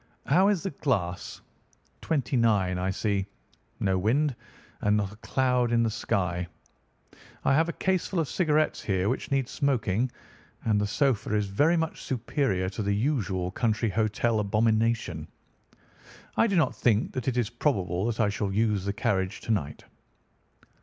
"How is the glass? Twenty nine, I see. No wind, and not a cloud in the sky. I have a caseful of cigarettes here which need smoking, and the sofa is very much superior to the usual country hotel abomination. I do not think that it is probable that I shall use the carriage to night."